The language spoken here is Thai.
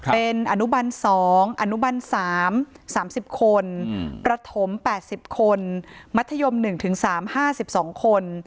เป็นอนุบัน๒อนุบัน๓๓๐คนประถม๘๐คนมัธยม๑๓๕๒คน